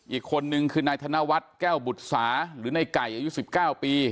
อีกคนนึงคือนายธนวัฒน์แก้วบุษาหรือในไก่อายุ๑๙ปี